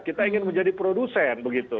kita ingin menjadi produsen begitu